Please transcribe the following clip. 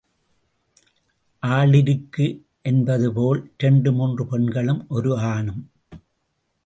ஆளிருக்கு என்பதுபோல் இரண்டு மூன்று பெண்களும், ஒரு ஆணும்.